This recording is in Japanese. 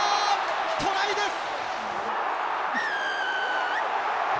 トライです。